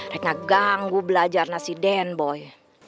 rek ngeganggu belajar nasi den boy